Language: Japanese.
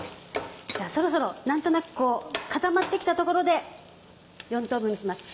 じゃあそろそろ何となくこう固まって来たところで４等分にします。